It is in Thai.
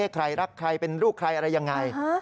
ใครรักใครเป็นลูกใครอะไรยังไง